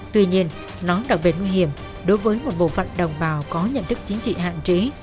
tuy nhiên nó đặc biệt nguy hiểm đối với một bộ phận đồng bào có nhận thức chính trị hạn chế